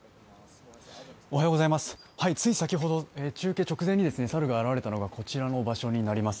つい先ほど中継直前に猿が現れたのが、こちらの場所になります。